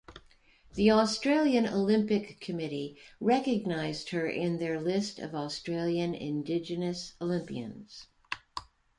The Australian Olympic Committee recognized her in their list of Australian Indigenous Olympians.